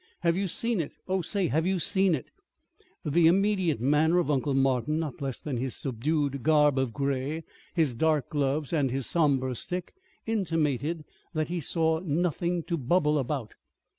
Have you seen it? Oh, say, have you seen it?" The immediate manner of Uncle Martin not less than his subdued garb of gray, his dark gloves and his somber stick, intimated that he saw nothing to bubble about.